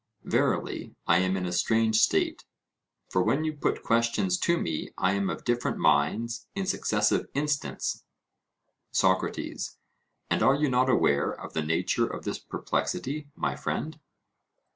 Verily, I am in a strange state, for when you put questions to me I am of different minds in successive instants. SOCRATES: And are you not aware of the nature of this perplexity, my friend?